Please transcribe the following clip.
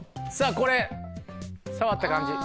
これ触った感じ。